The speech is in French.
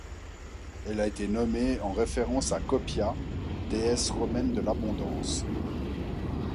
Elle a été nommée en référence à Copia, déesse romaine de l'abondance.